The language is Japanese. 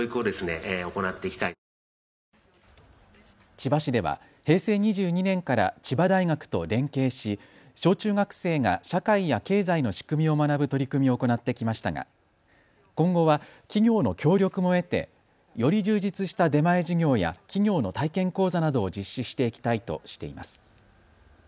千葉市では平成２２年から千葉大学と連携し小中学生が社会や経済の仕組みを学ぶ取り組みを行ってきましたが今後は企業の協力も得てより充実した出前授業や企業の体験講座などを実施していきたいとしています。